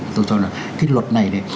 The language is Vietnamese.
tôi cho là cái luật này này